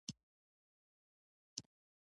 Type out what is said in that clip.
ننګ صېب پښتو کښې َد خپلې شاعرۍ نه علاوه